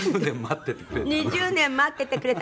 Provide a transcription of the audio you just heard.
２０年、待っててくれた。